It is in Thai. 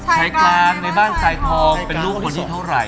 ชายกลางในบ้านสายทองเป็นลูกคนที่เท่าไหร่